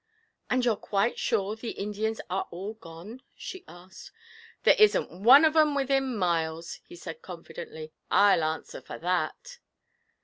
'And you're quite sure the Indians are all gone?' she asked. 'There isn't one of 'em within miles,' he said confidently, 'I'll answer for that.'